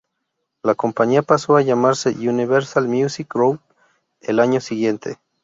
La compañía pasó a llamarse Universal Music Group el año siguiente.